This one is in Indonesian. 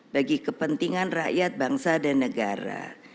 bagi kepentingan rakyat bangsa dan negara